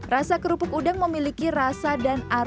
rasa kerupuk udang memiliki rasa dan aroma yang khas